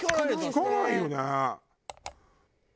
聞かないよね。